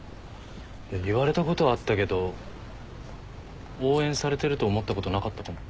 言われたことはあったけど応援されてると思ったことなかったかも。